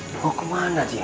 mau kemana dia